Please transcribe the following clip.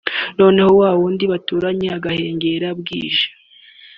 noneho wa wundi baturanye agahengera bwije